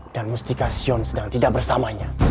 dan mustika sion sedang tidak bersamanya